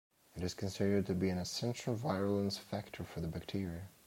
It is considered to be an essential virulence factor for the bacteria.